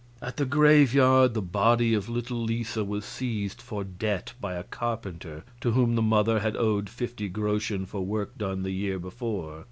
At the graveyard the body of little Lisa was seized for debt by a carpenter to whom the mother owed fifty groschen for work done the year before.